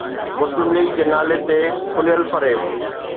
مسلم ليگ جي نالي تي کليل فريب.